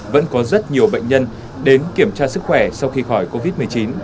vẫn có rất nhiều bệnh nhân đến kiểm tra sức khỏe sau khi khỏi covid một mươi chín